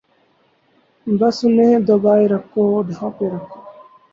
بس انہیں دبائے رکھو، ڈھانپے رکھو۔